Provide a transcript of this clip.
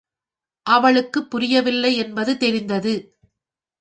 அவளுக்குப் புரியவில்லை என்பது தெரிந்தது.